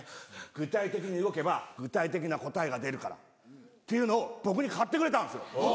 具体的に動けば具体的な答えが出るから」っていうのを僕に買ってくれたんですよ。